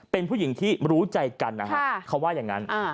เป็นผู้หญิงที่รู้ใจกันนะฮะเขาว่าอย่างนั้น